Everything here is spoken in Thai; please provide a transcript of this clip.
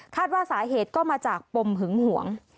ว่าสาเหตุก็มาจากปมหึงหวง